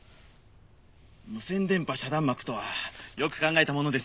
無線電波遮断幕とはよく考えたものですね。